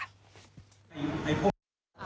ชื่อเว็บอะไรนะ